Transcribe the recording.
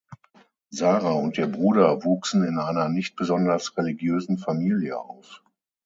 Sarah und ihr Bruder wuchsen in einer nicht besonders religiösen Familie auf.